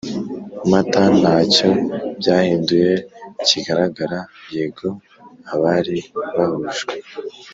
Mata nta cyo byahinduye kigaragara Yego abari bahujwe